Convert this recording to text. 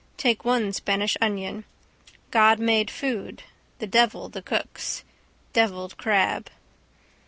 Take one Spanish onion. God made food, the devil the cooks. Devilled crab.